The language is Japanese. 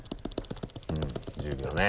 うん１０秒ね。